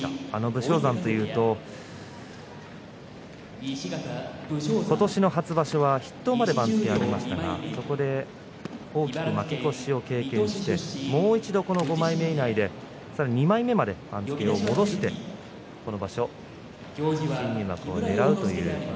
武将山というと今年の初場所は筆頭まで番付を上げましたがそこで大きく負け越しを経験してもう一度、この５枚目以内で２枚目まで番付を戻していきました。